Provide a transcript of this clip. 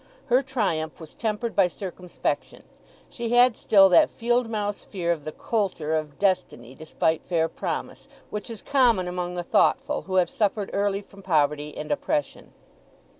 Her triumph was tempered by circumspection, she had still that field mouse fear of the coulter of destiny despite fair promise, which is common among the thoughtful who have suffered early from poverty and oppression.